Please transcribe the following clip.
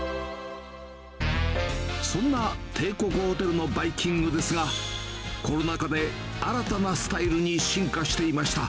そんな帝国ホテルのバイキングですが、コロナ禍で新たなスタイルに進化していました。